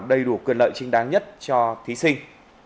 đầy đủ quyền lợi trinh đáng nhất cho thí sinh